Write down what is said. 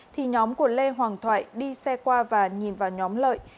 thì nhóm của lê hoàng thoại đi xe qua và nhìn vào nhóm lợi